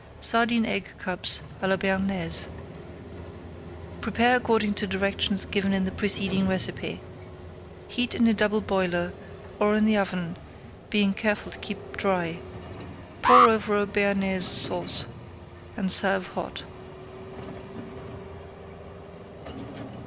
SARDINE EGG CUPS À LA BEARNAISE Prepare according to directions given in the preceding recipe. Heat in a double boiler, or in the oven, being careful to keep dry. Pour over a Bearnaise Sauce and serve hot.